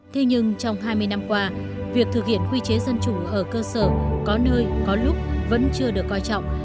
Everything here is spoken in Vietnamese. thế nhưng trong hai mươi năm qua việc thực hiện quy chế dân chủ ở cơ sở có nơi có lúc vẫn chưa được coi trọng